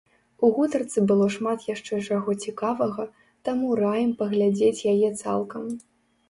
У гутарцы было шмат яшчэ чаго цікавага, таму раім паглядзець яе цалкам.